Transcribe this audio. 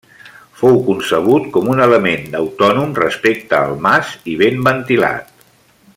Fou concebut com un element autònom respecte al mas i ben ventilat.